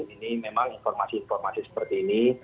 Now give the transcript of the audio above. ini memang informasi informasi seperti ini